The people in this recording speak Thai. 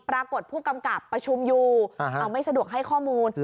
ปรากฏผู้กำกับประชุมอยู่เอาไม่สะดวกให้ข้อมูล